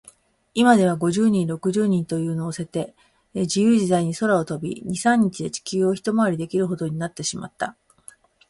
いまでは、五十人、六十人という人をのせて、じゆうじざいに空を飛び、二、三日で地球をひとまわりできるほどになってしまった。